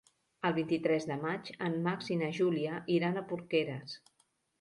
El vint-i-tres de maig en Max i na Júlia iran a Porqueres.